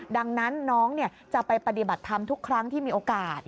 ดังนั้นน้องจะไปปฏิบัติธรรมทุกครั้งที่มีโอกาส